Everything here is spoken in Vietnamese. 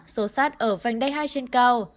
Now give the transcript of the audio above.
xô xát ở vành đáy hai trên cao